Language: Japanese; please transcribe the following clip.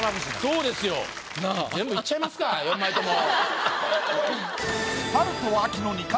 そうですよ全部いっちゃいますか４枚とも。